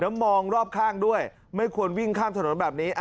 แล้วมองรอบข้างด้วยไม่ควรวิ่งข้ามถนนแบบนี้